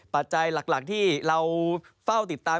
ปัจจัยหลักที่เราเฝ้าติดตาม